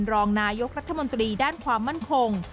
รองนายกรัฐมนตรีด้านความมั่นคง